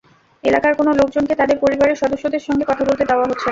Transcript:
এলাকার কোনো লোকজনকে তাঁদের পরিবারের সদস্যদের সঙ্গে কথা বলতে দেওয়া হচ্ছে না।